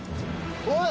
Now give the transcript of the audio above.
おい！